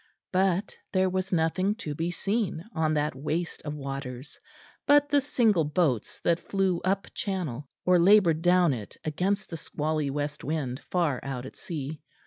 But there was nothing to be seen on that waste of waters but the single boats that flew up channel or laboured down it against the squally west wind, far out at sea.